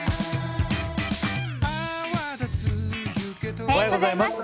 おはようございます。